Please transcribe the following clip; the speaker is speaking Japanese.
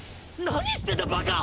何してんだバカ！